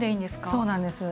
そうなんです。